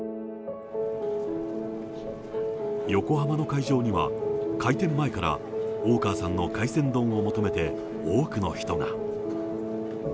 横浜の会場には、開店前から大川さんの海鮮丼を求めて、多くの人が。